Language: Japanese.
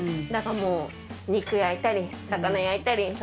なんかもう、肉焼いたり、魚焼いたり。